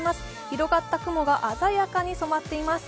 広がった雲が鮮やかに染まっています。